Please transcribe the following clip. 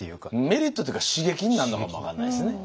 メリットっていうか刺激になるのかも分かんないですね。